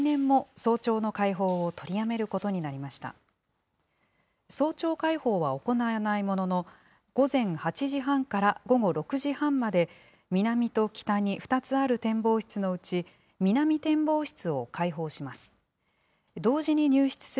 早朝開放は行わないものの、午前８時半から午後６時半まで、南と北に２つある展望室のうち、南展望室を開放します。